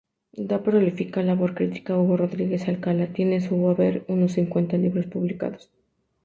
De prolífica labor crítica, Hugo Rodríguez-Alcalá tiene en su haber unos cincuenta libros publicados.